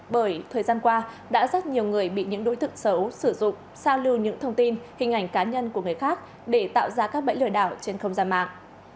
bởi thời gian qua đã rất nhiều người bị những đối tượng xấu sử dụng sao lưu những thông tin hình ảnh cá nhân của người khác để tạo ra các bẫy lừa đảo trên không gian mạng